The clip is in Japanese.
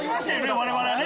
我々はね。